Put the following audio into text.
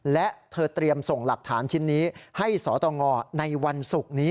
และเธอเตรียมส่งหลักฐานชิ้นนี้ให้สตงในวันศุกร์นี้